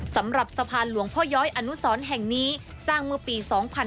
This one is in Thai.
สำหรับสะพานหลวงพ่อย้อยอนุสรแห่งนี้สร้างเมื่อปี๒๕๕๙